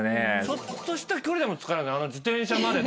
ちょっとした距離でも使える。